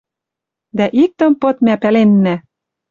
Дӓ иктӹм пыт мӓ пӓленнӓ: